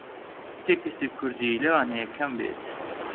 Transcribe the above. تێکستی کووردی لەوانەیە کەم بێت